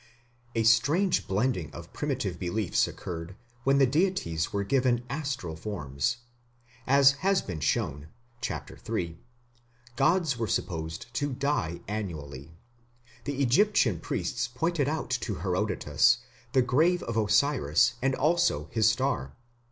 A strange blending of primitive beliefs occurred when the deities were given astral forms. As has been shown (Chapter III) gods were supposed to die annually. The Egyptian priests pointed out to Herodotus the grave of Osiris and also his star.